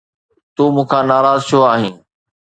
تون مون کان ناراض ڇو آهين؟